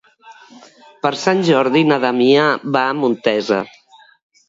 Per Sant Jordi na Damià va a Montesa.